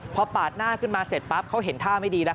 พอปาดหน้าขึ้นมาเสร็จปั๊บเขาเห็นท่าไม่ดีแล้ว